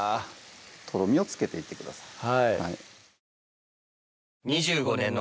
とろみをつけていってください